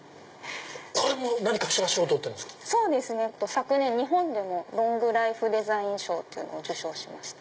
昨年日本でもロングライフデザイン賞を受賞しました。